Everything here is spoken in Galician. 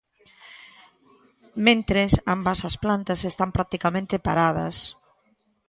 Mentres, ambas as plantas están practicamente paradas.